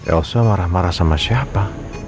elsa marah marah sama siapa